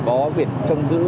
có biển trông giữ